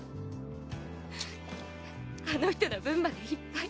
あの人の分までいっぱい。